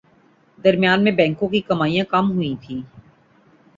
درمیان میں بینکوں کی کمائیاں کم ہوئیں تھیں